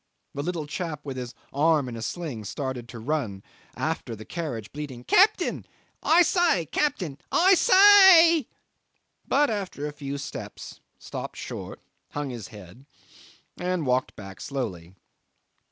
The little chap with his arm in a sling started to run after the carriage, bleating, "Captain! I say, Captain! I sa a ay!" but after a few steps stopped short, hung his head, and walked back slowly.